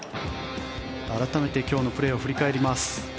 改めて今日のプレーを振り返ります。